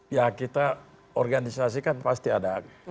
ya kita organisasi kan pasti ada